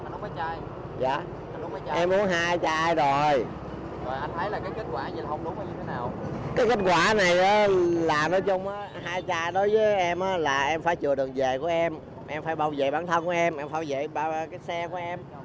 làm nói chung hai chai đối với em là em phải chừa đường về của em em phải bảo vệ bản thân của em em phải bảo vệ cái xe của em